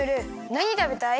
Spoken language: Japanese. なにたべたい？